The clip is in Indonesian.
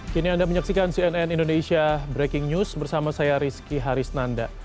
kini anda menyaksikan cnn indonesia breaking news bersama saya rizky harisnanda